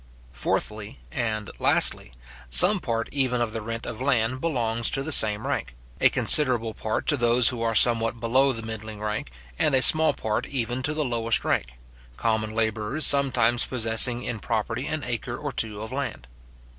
Fourthly and lastly, some part even of the rent of land belongs to the same rank; a considerable part to those who are somewhat below the middling rank, and a small part even to the lowest rank; common labourers sometimes possessing in property an acre or two of land.